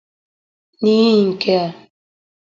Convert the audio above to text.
Nihi nke a